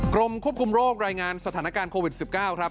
กรมควบคุมโรครายงานสถานการณ์โควิด๑๙ครับ